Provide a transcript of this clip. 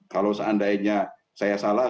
kalau seandainya saya salah